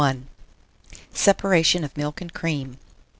SEPARATION OF MILK AND CREAM.